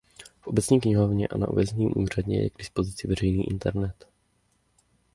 V obecní knihovně a na obecním úřadě je k dispozici veřejný internet.